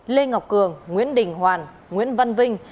lê ngọc cường nguyễn đình hoàn nguyễn văn vinh